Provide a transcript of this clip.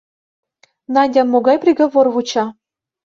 Надям могай приговор вуча?